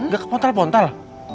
gak ke pontal pontal